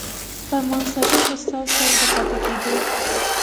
فرمان ساجد استاذ صېب د پاتې کېدو